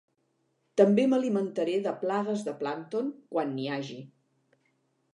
També m'alimentaré de plagues de plàncton quan n'hi hagi.